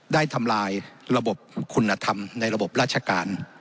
ทำลายระบบคุณธรรมในระบบราชการ